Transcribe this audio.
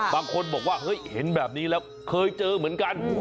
บางคนบอกว่าเฮ้ยเห็นแบบนี้แล้วเคยเจอเหมือนกัน